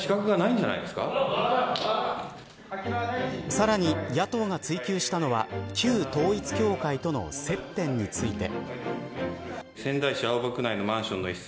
さらに野党が追求したのは旧統一教会との接点について。